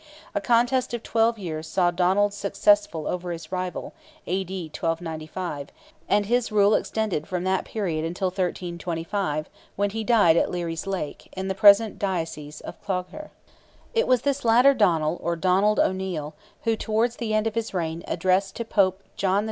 A contest of twelve years saw Donald successful over his rival (A.D. 1295), and his rule extended from that period until 1325, when he died at Leary's lake, in the present diocese of Clogher. It was this latter Donnell or Donald O'Neil, who, towards the end of his reign, addressed to Pope John XXII.